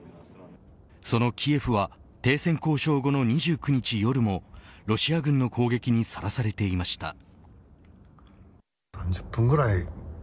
そのキエフは停戦交渉後の２９日夜もロシア軍の攻撃にさらされていました。